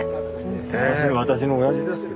ええ私のおやじですよ。